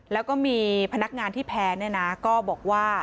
แล้วก็มีพนักงานที่แพรก็บอกว่า